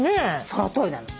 そのとおりなの。